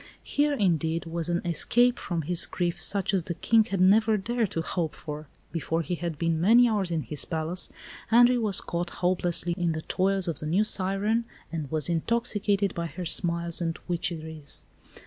Here, indeed, was an escape from his grief such as the King had never dared to hope for. Before he had been many hours in his palace, Henri was caught hopelessly in the toils of the new siren, and was intoxicated by her smiles and witcheries.